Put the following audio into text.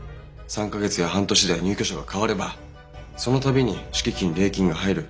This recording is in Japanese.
３か月や半年で入居者が変わればその度に敷金礼金が入る。